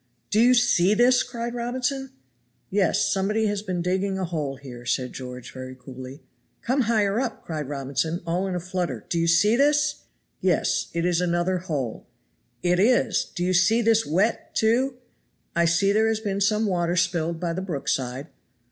"Do you see this?" cried Robinson. "Yes; somebody has been digging a hole here," said George very coolly. "Come higher up," cried Robinson, all in a flutter "do you see this?" "Yes; it is another hole." "'It is. Do you see this wet, too?" "I see there has been some water spilled by the brook side."